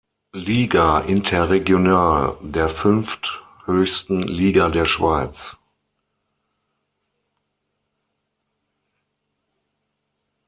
Liga Interregional, der fünfthöchsten Liga der Schweiz.